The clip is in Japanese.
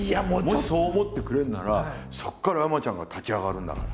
もしそう思ってくれるならそこから山ちゃんが立ち上がるんだから。